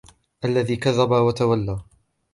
الذي كذب وتولى